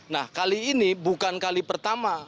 nah kali ini bukan kali pertama